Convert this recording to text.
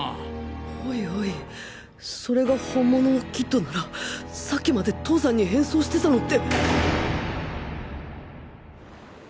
おいおいそれが本物のキッドならさっきまで父さんに変装してたのって